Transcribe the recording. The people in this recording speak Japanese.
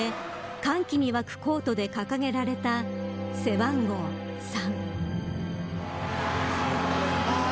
歓喜に沸くコートで掲げられた背番号３。